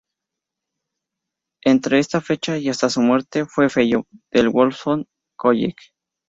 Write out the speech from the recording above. Entre esta fecha y hasta su muerte, fue "fellow" del "Wolfson College".